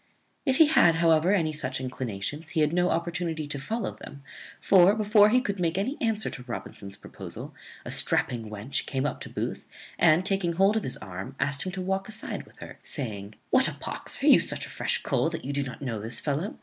If he had, however, any such inclinations, he had no opportunity to follow them, for, before he could make any answer to Robinson's proposal, a strapping wench came up to Booth, and, taking hold of his arm, asked him to walk aside with her; saying, "What a pox, are you such a fresh cull that you do not know this fellow?